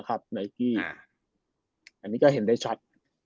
อันนี้ก็เห็นได้ชัด